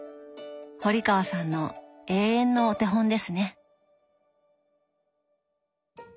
堀川さんの永遠のお手本ですね。